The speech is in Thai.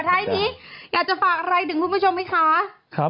ท้ายนี้อยากจะฝากอะไรถึงคุณผู้ชมไหมคะ